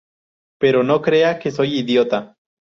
Pero no crea que soy idiota.